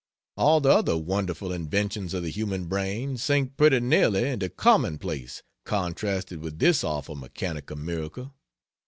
All the other wonderful inventions of the human brain sink pretty nearly into commonplace contrasted with this awful mechanical miracle.